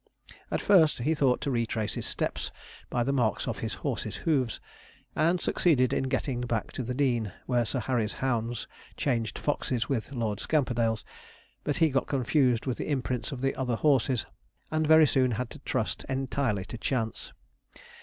At first, he thought to retrace his steps by the marks of his horse's hoofs, and succeeded in getting back to the dean, where Sir Harry's hounds changed foxes with Lord Scamperdale's; but he got confused with the imprints of the other horses, and very soon had to trust entirely to chance.